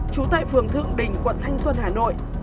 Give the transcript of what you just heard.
trú tại phường thượng đình quận thanh xuân hà nội